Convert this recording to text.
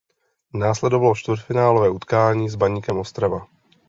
Následovalo čtvrtfinálové utkání s Baníkem Ostrava.